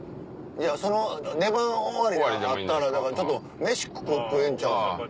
その出番終わりで会ったらちょっと飯食えんちゃう？